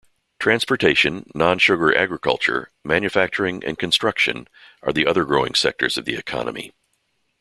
Transportation, non-sugar agriculture, manufacturing and construction are the other growing sectors of the economy.